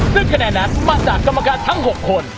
ซึ่งคะแนนนั้นมาจากกรรมการทั้ง๖คน